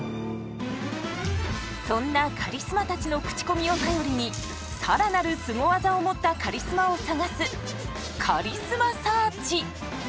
そんなカリスマたちの口コミを頼りに更なるスゴ技を持ったカリスマを探すカリスマサーチ。